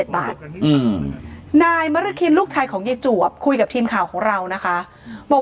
นายมรคินลูกชายของยายจวบคุยกับทีมข่าวของเรานะคะบอก